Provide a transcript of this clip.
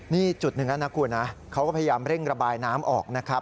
นี่จุดหนึ่งแล้วนะคุณนะเขาก็พยายามเร่งระบายน้ำออกนะครับ